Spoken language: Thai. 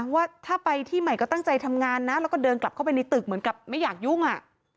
ว่าถ้าไปที่ใหม่ก็ตั้งใจทำงานนะแล้วก็เดินกลับเข้าไปในตึกเหมือนกับไม่อยากยุ่งอ่ะ